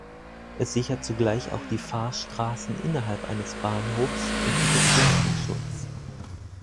Es sichert zugleich auch die Fahrstraßen innerhalb eines Bahnhofes und bietet Flankenschutz.